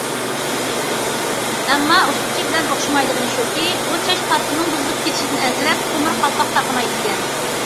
ئەمما ئۇچقۇچى بىلەن ئوخشىمايدىغىنى شۇكى، ئۇ چاچ پاسونىنىڭ بۇزۇلۇپ كېتىشىدىن ئەنسىرەپ تۆمۈر قالپاق تاقىمايدىكەن.